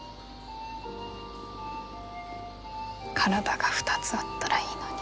体が２つあったらいいのに。